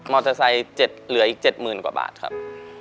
มอสไซเหลืออีก๗๐๐๐๐กว่าบาทครับ